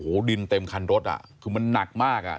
โอ้โหดินเต็มคันรถอ่ะคือมันหนักมากอ่ะ